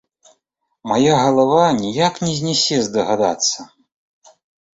Мая галава ніяк не знясе здагадацца.